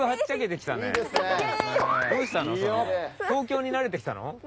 東京に慣れてきたの？